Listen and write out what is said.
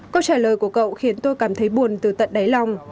câu trả lời của cậu khiến tôi cảm thấy buồn từ tận đáy lòng